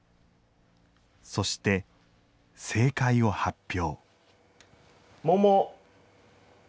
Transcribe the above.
そして正解を発表。